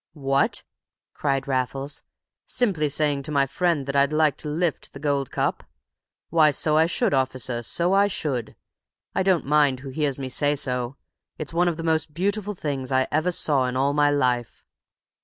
"What!" cried Raffles, "simply saying to my friend that I'd like to lift the gold cup? Why, so I should, officer, so I should! I don't mind who hears me say so. It's one of the most beautiful things I ever saw in all my life."